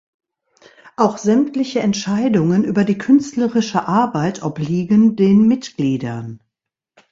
Auch sämtliche Entscheidungen über die künstlerische Arbeit obliegen den Mitgliedern.